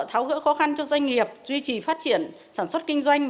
tháo gỡ khó khăn cho doanh nghiệp duy trì phát triển sản xuất kinh doanh